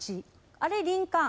あれリンカーン。